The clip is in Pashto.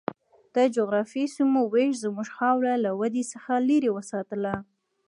د جغرافیایي سیمو وېش زموږ خاوره له ودې څخه لرې وساتله.